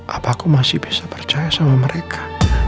apa aku masih bisa percaya sama mereka